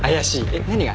えっ何が？